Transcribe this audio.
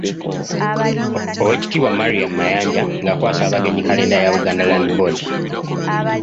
Oweekitiibwa Mariam Mayanja ng'akwasa abagenyi kalenda ya Buganda Land Board.